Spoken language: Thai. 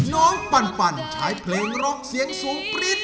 น้องปันใช้เพลงร็อกเสียงสูงปรี๊ด